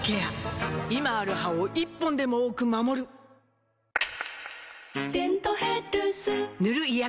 今ある歯を１本でも多く守る「デントヘルス」塗る医薬品も